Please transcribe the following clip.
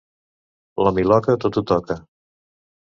La miloca tot ho toca.